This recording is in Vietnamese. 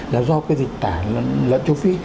là do cái dịch tả lợn châu phi